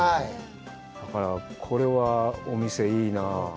だから、これはお店いいな。